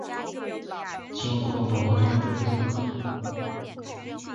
晋国伯宗之子。